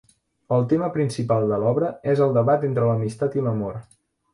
El tema principal de l'obra és el debat entre l'amistat i l'amor.